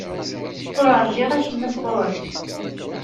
Ur ṛjiɣ acemma sɣur-k.